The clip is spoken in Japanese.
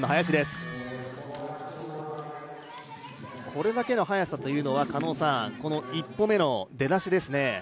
これだけの速さというのは、一歩目の出だしですね。